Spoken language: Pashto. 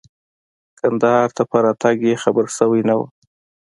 کندهار ته په راتګ یې خبر شوی نه وم.